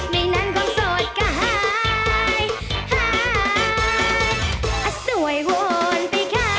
ไม่นานความสอบ